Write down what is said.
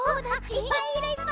いっぱいいる！